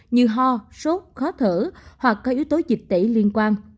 như ho sốt khó thở hoặc có yếu tố dịch tễ liên quan